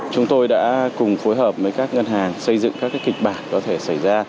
chúng tôi đã cùng phối hợp với các ngân hàng xây dựng các kịch bản có thể xảy ra